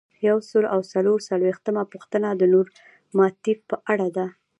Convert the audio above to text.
یو سل او څلور څلویښتمه پوښتنه د نورماتیف په اړه ده.